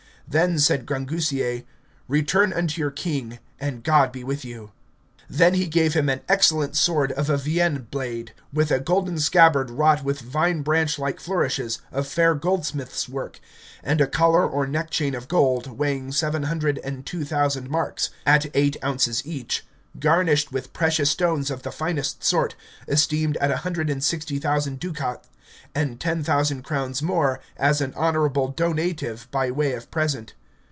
Then, said Grangousier, return unto your king, and God be with you. Then he gave him an excellent sword of a Vienne blade, with a golden scabbard wrought with vine branch like flourishes, of fair goldsmith's work, and a collar or neck chain of gold, weighing seven hundred and two thousand marks (at eight ounces each), garnished with precious stones of the finest sort, esteemed at a hundred and sixty thousand ducats, and ten thousand crowns more, as an honourable donative, by way of present.